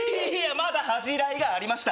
まだ恥じらいがありました